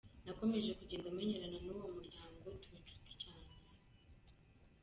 Nakomeje kugenda menyerana n’uwo muryango tuba inshuti cyane.